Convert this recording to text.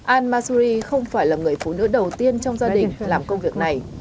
al masuri không phải là người phụ nữ đầu tiên trong gia đình làm công việc này